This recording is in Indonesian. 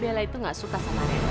bella itu gak suka sama rel